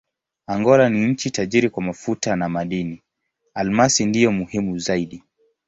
Angola ni nchi tajiri kwa mafuta na madini: almasi ndiyo muhimu zaidi.